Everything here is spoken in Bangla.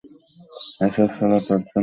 এসব শালা তোর জন্য হয়েছে!